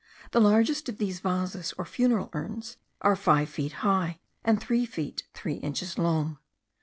The largest of these vases, or funeral urns, are five feet high, and three feet three inches long.